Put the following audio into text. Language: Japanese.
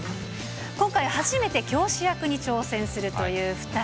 今回、初めて教師役に挑戦するという２人。